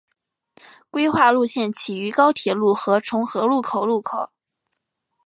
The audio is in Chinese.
规划路线起于高铁路和重和路口路口。